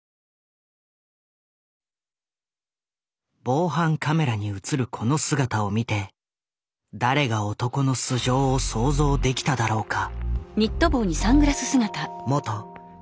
防犯カメラにうつるこの姿を見て誰が男の素性を想像できただろうか。